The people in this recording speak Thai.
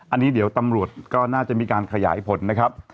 อันนี้เดี๋ยวตำรวจก็น่าจะมีการขยายผลนะครับ